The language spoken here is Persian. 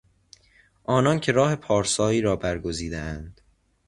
آنان که راه پارسایی را برگزیدهاند